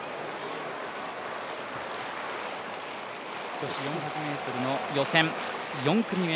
女子４００ｍの予選４組目。